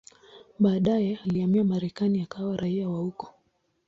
Baadaye alihamia Marekani akawa raia wa huko.